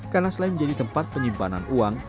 karena selain menjadi tempat penyimpanan uang